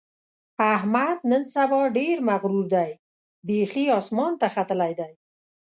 احمد نن سبا ډېر مغرور دی؛ بیخي اسمان ته ختلی دی.